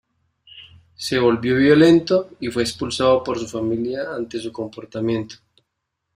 Se volvió violento y fue expulsado por su familia ante su comportamiento.